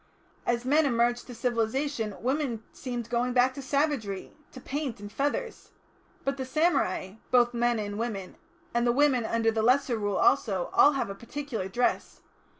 As men emerged to civilisation, women seemed going back to savagery to paint and feathers. But the samurai, both men and women, and the women under the Lesser Rule also, all have a particular dress.